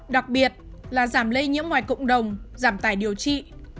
đặc biệt là giảm lây nhiễm ngoài cộng đồng giảm tài điều trị